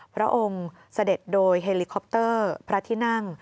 พระองค์เสด็จโดยเฮลิคอปเตอร์พระที่นั่ง